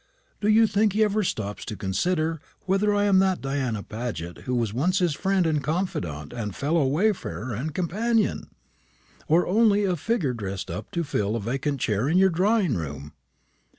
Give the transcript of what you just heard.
Do you think he ever stops to consider whether I am that Diana Paget who was once his friend and confidante and fellow wayfarer and companion? or only a lay figure dressed up to fill a vacant chair in your drawing room?"